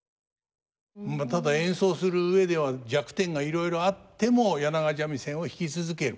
ただ演奏する上では弱点がいろいろあっても柳川三味線を弾き続ける。